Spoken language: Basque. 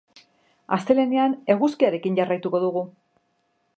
Astelehenean eguzkiarekin jarraituko dugu.